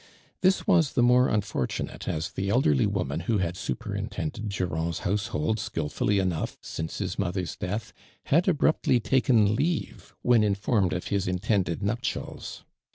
This was the more unfortunate, as the elderly woman who had superintended Durands household skilfully enougli since his mothers death, had abruptly taken leave when informed of his intended nuptials.